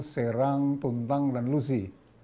serang tuntang dan lusi